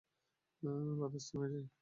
বাতাস থেমে যায়।